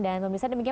dan pemirsa demikian